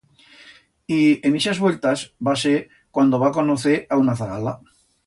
Y en ixas vueltas va ser cuando va conocer a una zagala.